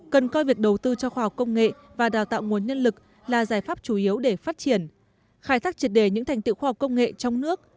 cần coi việc đầu tư cho khoa học công nghệ và đào tạo nguồn nhân lực là giải pháp chủ yếu để phát triển khai thác triệt đề những thành tiệu khoa học công nghệ trong nước